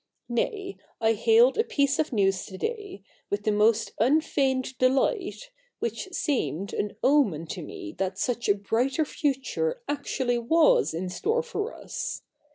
Nay, I hailed a piece of news to day with the most unfeigned delight, which seemed an omen to me that such a brighter future actually was in store for us.